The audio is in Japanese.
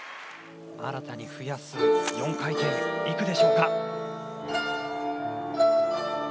新たに増やす４回転、いくでしょうか。